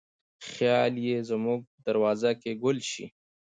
خیال یې زموږ په دروازه کې ګل شي